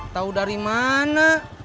tau dari mana